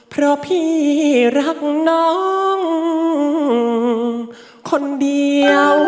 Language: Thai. เพราะพี่รักน้องคนเดียว